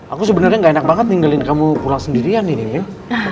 aku sebenarnya gak enak banget ninggalin kamu pulang sendirian ini ya